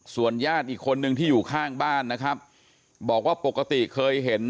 ส่วนญาติอีกคนนึงที่อยู่ข้างบ้านนะครับบอกว่าปกติเคยเห็น